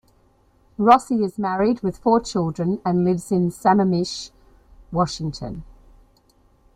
Rossi is married, with four children, and lives in Sammamish, Washington.